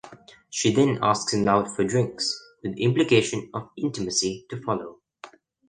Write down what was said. She then asks him out for drinks, with the implication of intimacy to follow.